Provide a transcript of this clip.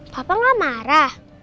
papa gak marah